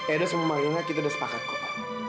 edo sama malinga kita udah sepakat kok